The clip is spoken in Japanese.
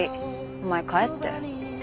お前帰って。